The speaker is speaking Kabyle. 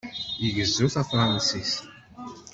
Igezzu tafṛansist.